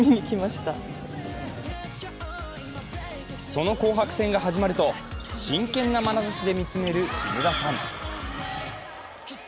その紅白戦が始まると、真剣なまなざしで見つめる木村さん。